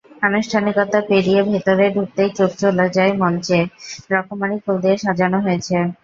আনুষ্ঠানিকতা পেরিয়ে ভেতরে ঢুকতেই চোখ চলে যায় মঞ্চে—রকমারি ফুল দিয়ে সাজানো হয়েছে।